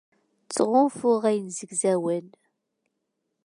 Ttɣunfuɣ ayen zegzawen